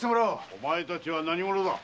お前たちは何者だ？